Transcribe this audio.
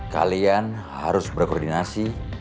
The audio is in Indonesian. kalian harus berkoordinasi